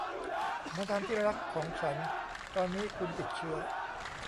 มาดามที่รักของฉัน ตอนนี้คุณติดเชื้อ